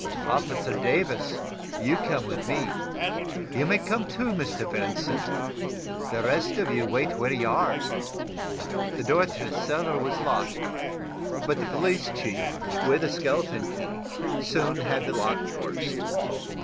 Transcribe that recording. "Officer Davis, you come with me. You may come, too, Mr. Benson. The rest of you wait where you are." The door to the cellar was locked, but the police chief, with a skeleton key, soon had the lock forced.